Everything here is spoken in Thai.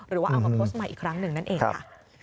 หรือว่าเอามาโพสต์ใหม่อีกครั้งหนึ่งนั่นเองค่ะ